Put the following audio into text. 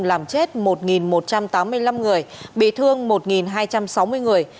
làm chết một một trăm tám mươi năm người bị thương một hai trăm sáu mươi người